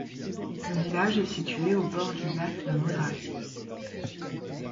Le village est situé au bord du lac de Modrac.